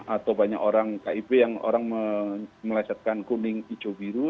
atau banyak orang kib yang orang melesetkan kuning hijau biru